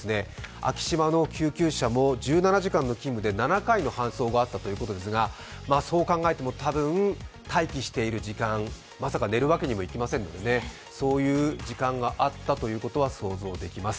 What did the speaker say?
昭島の救急車も１７時間の勤務で７回の搬送があったということですがそう考えても、たぶん、待機している時間、まさか寝るわけにもいきませんのでそういう時間があったということは想像できます。